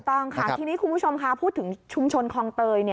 ต้องค่ะทีนี้คุณผู้ชมค่ะพูดถึงชุมชนคลองเตย